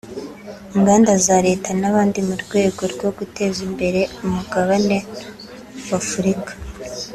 ingandaza leta n’abandi mu rwego rwo guteza imbere umugabane w’Afurika